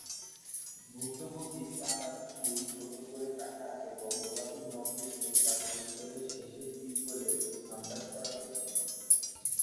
ভুক্তভোগীর বাদামী চুল ছোট করে কাটা এবং গোলাপী নখ দেখে তার কৈশোরের শেষের দিকে বলে আন্দাজ করা হয়েছিল।